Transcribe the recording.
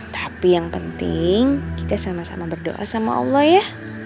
tapi yang penting kita sama sama berdoa sama allah ya